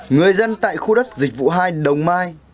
người dân tại khu đất dịch vụ hai đồng mai